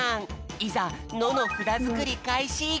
いざ「の」のふだづくりかいし！